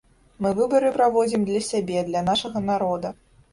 Мы выбары праводзім для сябе, для нашага народа.